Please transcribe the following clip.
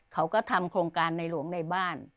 เขาก็ทำโครงการในหลวงในบ้าน